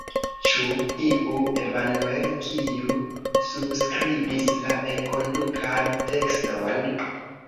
Ĉu iu Emmanuel, kiu subskribis la enkondukan tekston?